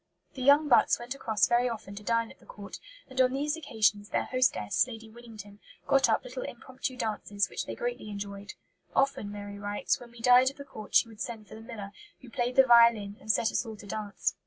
The young Butts went across very often to dine at the Court; and on these occasions their hostess, Lady Winnington, got up little impromptu dances, which they greatly enjoyed. "Often," Mary writes, "when we dined at the Court she would send for the miller, who played the violin, and set us all to dance.